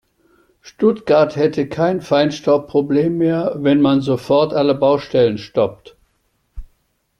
Stuttgart hätte kein Feinstaubproblem mehr, wenn man sofort alle Baustellen stoppt.